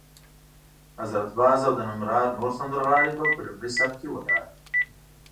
حضرت باز او د ننګرهار نور سندرغاړي به په لومړي صف کې ولاړ وي.